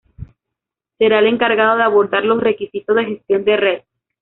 Será el encargado de abordar los requisitos de gestión de red.